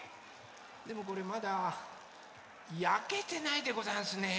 でもこれまだやけてないでござんすね。